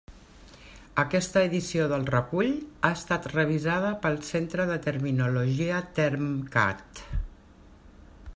Aquesta edició del recull ha estat revisada pel centre de terminologia TERMCAT.